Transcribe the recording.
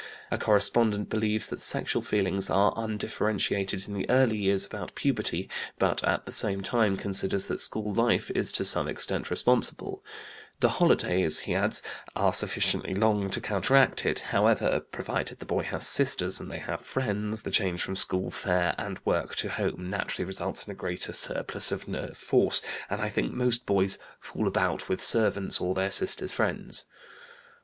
A correspondent believes that sexual feelings are undifferentiated in the early years about puberty, but at the same time considers that school life is to some extent responsible; "the holidays," he adds, "are sufficiently long to counteract it, however, provided the boy has sisters and they have friends; the change from school fare and work to home naturally results in a greater surplus of nerve force, and I think most boys 'fool about' with servants or their sisters' friends."